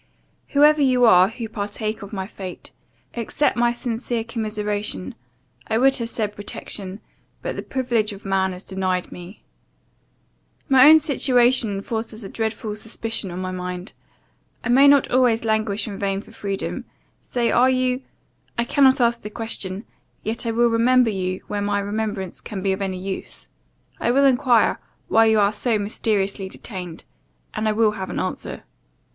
"Whoever you are, who partake of my fate, accept my sincere commiseration I would have said protection; but the privilege of man is denied me. "My own situation forces a dreadful suspicion on my mind I may not always languish in vain for freedom say are you I cannot ask the question; yet I will remember you when my remembrance can be of any use. I will enquire, why you are so mysteriously detained and I will have an answer.